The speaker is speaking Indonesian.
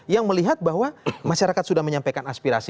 yang melihat bahwa masyarakat sudah menyampaikan aspirasi